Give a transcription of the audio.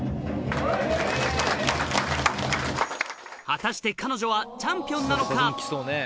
果たして彼女はチャンピオンなのか？